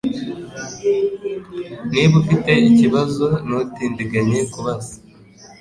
Niba ufite ikibazo ntutindiganye kubaza